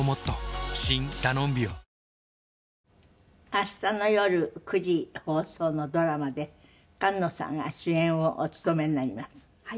明日の夜９時放送のドラマで菅野さんが主演をお務めになります。